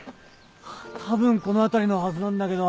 たぶんこの辺りのはずなんだけど。